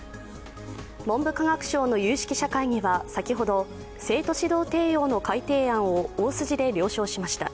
文部科学省の有識者会議は先ほど、生徒指導提要の改訂案を大筋で了承しました。